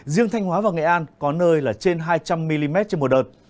riêng thanh hóa và nghệ an có nơi là trên hai trăm linh mm trên một đợt